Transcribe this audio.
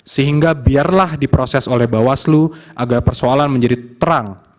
sehingga biarlah diproses oleh bawaslu agar persoalan menjadi terang